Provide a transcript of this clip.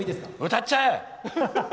歌っちゃえ！